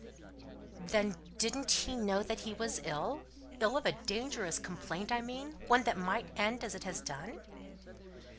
"Then didn't he know that he was ill ill of a dangerous complaint, I mean: one that might end as it has done?"